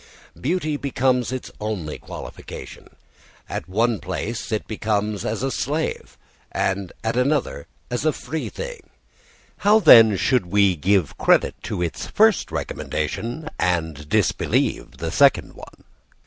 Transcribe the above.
Beauty becomes its only qualification. At one place it comes as a slave, and at another as a free thing. How, then, should we give credit to its first recommendation and disbelieve the second one?